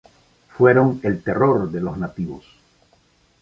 Fueron el terror de los nativos.